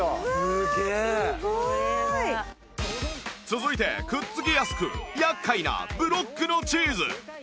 続いてくっつきやすく厄介なブロックのチーズ